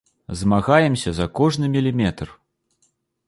Змагаемся за кожны міліметр.